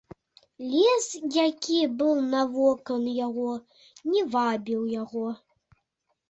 Лес, які быў навокал яго, не вабіў яго.